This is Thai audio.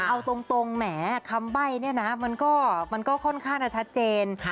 เอาตรงแหมคำใบ้เนี่ยนะมันก็ค่อนข้างจะชัดเจน